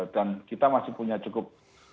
dan kita masih punya cukup